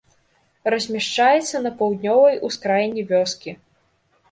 Размяшчаецца на паўднёвай ускраіне вёскі.